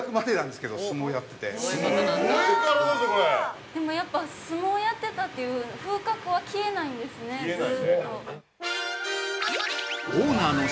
◆でも、やっぱり相撲やってたという風格は消えないんですね、ずっと。